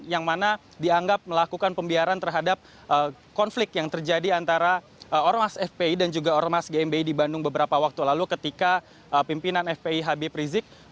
yang mana dianggap melakukan pembiaran terhadap konflik yang terjadi antara ormas fpi dan juga ormas gmbi di bandung beberapa waktu lalu ketika pimpinan fpi habib rizik